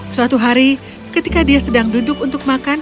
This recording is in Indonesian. suatu hari ketika dia sedang duduk untuk makan